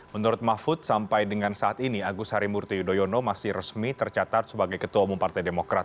menurut mahfud sampai dengan saat ini agus harimurti yudhoyono masih resmi tercatat sebagai ketua umum partai demokrat